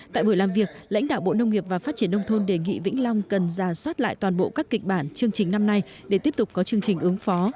tại buổi làm việc lãnh đạo bộ nông nghiệp và phát triển nông thôn đề nghị vĩnh long cần giả soát lại toàn bộ các kịch bản chương trình năm nay để tiếp tục có chương trình ứng phó